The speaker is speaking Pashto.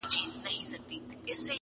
سـتا غریب بابا به د چــا څۀ اوکــړي